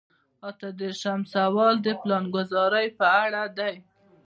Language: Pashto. اته دېرشم سوال د پلانګذارۍ په اړه دی.